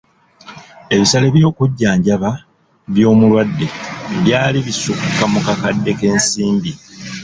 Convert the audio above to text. Ebisale by'okujanjaba by'omulwadde byali bisukka mu kakadde k'ensimbi.